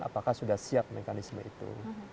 apakah sudah siap mekanisme itu